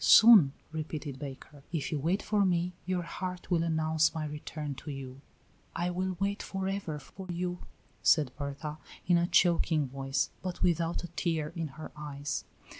"Soon," repeated Baker. "If you wait for me your heart will announce my return to you." "I will wait for ever for you," said Berta, in a choking voice, but without a tear in her eyes.